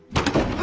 あ。